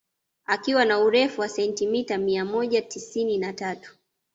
Akiwa na urefu wa sentimeta mia moja tisini na tatu